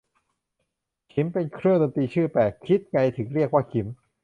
ขิม เป็นเครื่องดนตรีชื่อแปลก คิดไงถึงเรียกว่าขิม